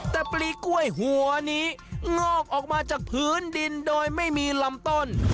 แต่ปลีกล้วยหัวนี้งอกออกมาจากพื้นดินโดยไม่มีลำต้น